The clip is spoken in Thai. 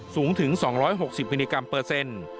สูงถึง๒๖๐มิลลิกรัมเปอร์เซ็นต์